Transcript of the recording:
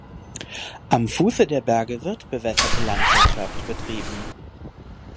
Am Fuße der Berge wird bewässerte Landwirtschaft betrieben.